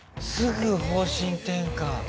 すぐ方針転換。